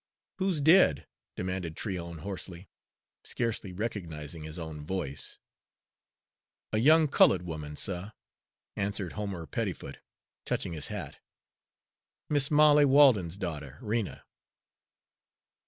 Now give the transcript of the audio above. "Who's dead?" demanded Tryon hoarsely, scarcely recognizing his own voice. "A young cullud 'oman, sah," answered Homer Pettifoot, touching his hat, "Mis' Molly Walden's daughter Rena."